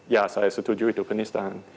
ya saya setuju itu penistaan